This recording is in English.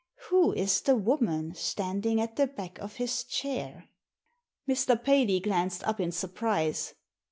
Who is the woman standing at the back of his chair?" Mr. Paley glanced up in surprise.